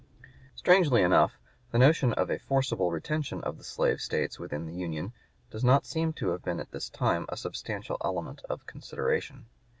Strangely enough the notion of a forcible retention of the slave States within the Union does not seem to have been at this time a substantial element of consideration.